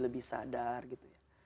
lebih sadar gitu ya